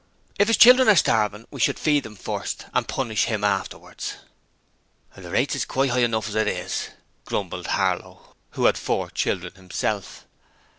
'If his children are starving we should feed them first, and punish him afterwards.' 'The rates is quite high enough as it is,' grumbled Harlow, who had four children himself.